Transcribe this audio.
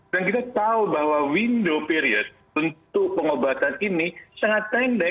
dan kita tahu bahwa window period untuk pengobatan ini sangat tenda